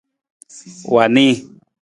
Wa nii.